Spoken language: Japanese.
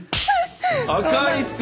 赤いって。